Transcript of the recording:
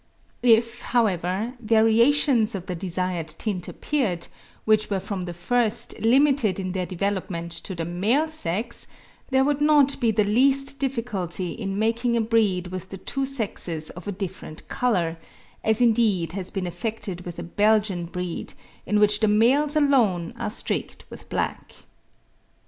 If, however, variations of the desired tint appeared, which were from the first limited in their development to the male sex, there would not be the least difficulty in making a breed with the two sexes of a different colour, as indeed has been effected with a Belgian breed, in which the males alone are streaked with black.